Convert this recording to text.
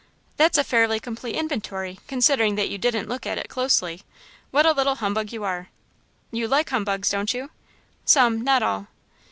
"That's a fairly complete inventory, considering that you 'didn't look at it closely.' What a little humbug you are!" "You like humbugs, don't you?" "Some, not all."